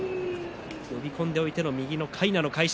呼び込んでおいての右のかいなの返し。